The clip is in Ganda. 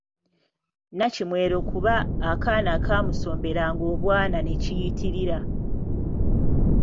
Nnakimwero kuba akaaana kaamusomberanga obwana ne kiyitirira.